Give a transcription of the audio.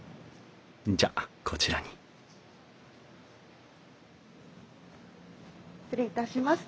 じゃこちらに失礼いたします。